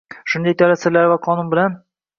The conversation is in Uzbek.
shuningdek davlat sirlarini yoki qonun bilan